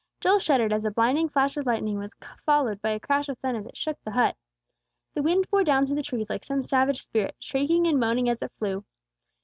Joel shuddered as a blinding flash of lightning was followed by a crash of thunder that shook the hut. The wind bore down through the trees like some savage spirit, shrieking and moaning as it flew.